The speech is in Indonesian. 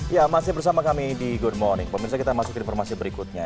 ya masih bersama kami di good morning pemirsa kita masuk ke informasi berikutnya